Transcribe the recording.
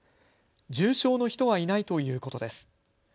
重症の人はいないということです。